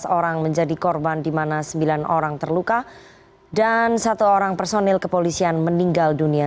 sebelas orang menjadi korban di mana sembilan orang terluka dan satu orang personil kepolisian meninggal dunia